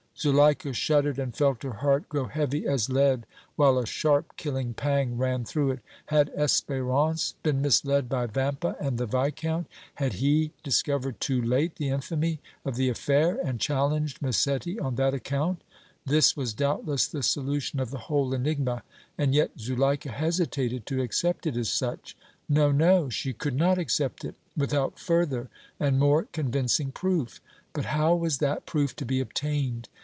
Zuleika shuddered and felt her heart grow heavy as lead, while a sharp, killing pang ran through it. Had Espérance been misled by Vampa and the Viscount? Had he discovered too late the infamy of the affair and challenged Massetti on that account? This was, doubtless, the solution of the whole enigma, and yet Zuleika hesitated to accept it as such. No, no, she could not accept it without further and more convincing proof! But how was that proof to be obtained?